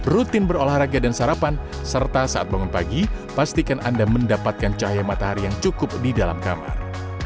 rutin berolahraga dan sarapan serta saat bangun pagi pastikan anda mendapatkan cahaya matahari yang cukup di dalam kamar